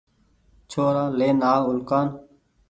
ڇورآن لين آو اُلڪآن